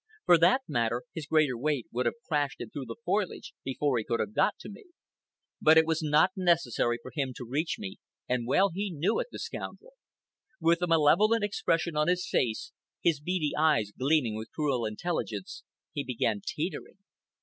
For that matter, his greater weight would have crashed him through the foliage before he could have got to me. But it was not necessary for him to reach me, and well he knew it, the scoundrel! With a malevolent expression on his face, his beady eyes gleaming with cruel intelligence, he began teetering.